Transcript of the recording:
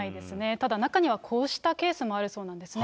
ただ、中にはこうしたケースもあるそうなんですね。